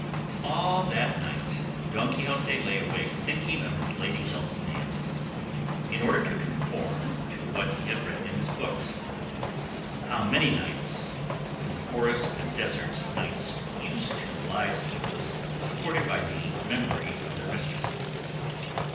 All that night Don Quixote lay awake thinking of his lady Dulcinea, in order to conform to what he had read in his books, how many a night in the forests and deserts knights used to lie sleepless supported by the memory of their mistresses.